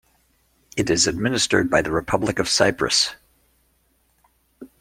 It is administered by the Republic of Cyprus.